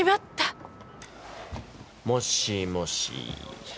もしもし。